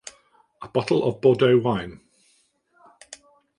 A bottle of Bordeaux wine.